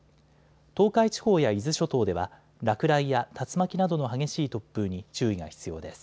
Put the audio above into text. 東海地方や伊豆諸島では落雷や竜巻などの激しい突風に注意が必要です。